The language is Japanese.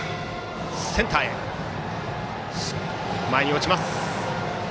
センターの前に落ちます。